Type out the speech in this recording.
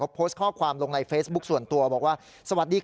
ก็พยายามจะยื่นเบียร์ให้คนที่มาอละวาดนี่นะ